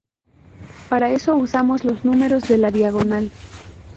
Para eso usamos los números de la diagonal.